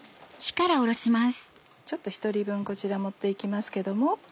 ちょっと１人分こちら盛って行きますけども。